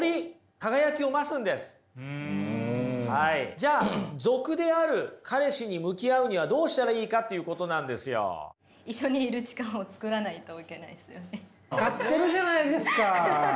じゃあ俗である彼氏に向き合うにはどうしたらいいかっていうことなんですよ。分かってるじゃないですか。